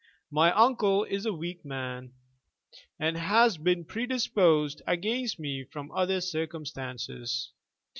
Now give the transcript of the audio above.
My uncle is a weak man, and has been predisposed against me from other circumstances.